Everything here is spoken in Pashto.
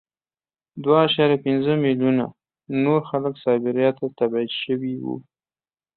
دوه اعشاریه پنځه میلیونه نور خلک سایبریا ته تبعید شوي وو